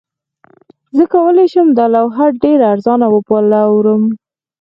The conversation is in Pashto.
زه کولی شم دا لوحه ډیره ارزانه وپلورم